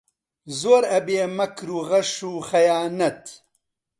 زۆر ئەبێ مەکر و غەش و خەیانەت